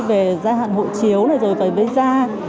về gia hạn hộ chiếu rồi về visa